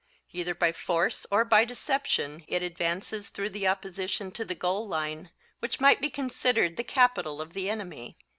Either by force or by deception it advances through the opposition to the goal line, which might be considered the capital of the enemy."